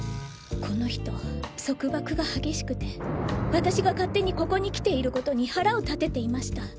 この人束縛が激しくて私が勝手にここに来ていることに腹を立てていました。